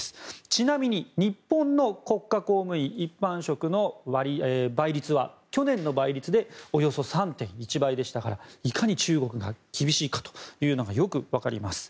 ちなみに日本の国家公務員一般職の倍率は去年の倍率でおよそ３．１倍でしたからいかに中国が厳しいかというのがよくわかります。